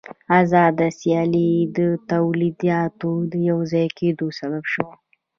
آزاده سیالي د تولیداتو د یوځای کېدو سبب شوه